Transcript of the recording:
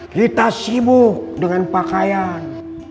kita sibuk dengan pakaian